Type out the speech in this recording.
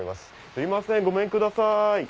すいませんごめんください。